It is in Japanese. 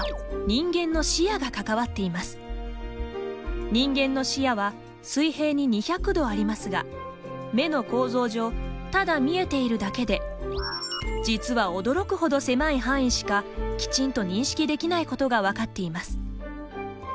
人間の視野は水平に２００度ありますが目の構造上ただ見えているだけで実は驚くほど狭い範囲しかきちんと認識できないことが分かっています。